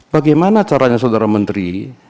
bagaimana caranya saudara menteri